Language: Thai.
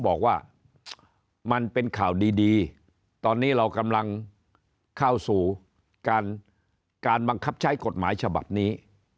บอกว่ามันเป็นข่าวดีตอนนี้เรากำลังเข้าสู่การบังคับใช้กฎหมายฉบับนี้